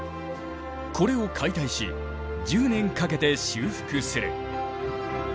これを解体し１０年かけて修復する。